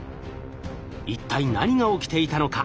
一体何が起きていたのか？